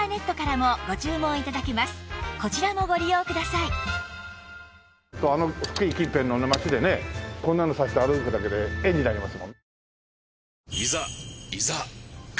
さらに福井近辺の街でねこんなの差して歩くだけで絵になりますもん。